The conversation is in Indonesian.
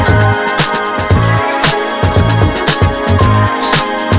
kamu kok disini nangis sendirian